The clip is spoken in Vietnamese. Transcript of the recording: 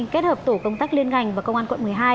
kết hợp tổ công tác liên ngành và công an quận một mươi hai